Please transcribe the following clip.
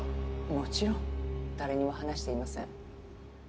もちろん誰にも話していません。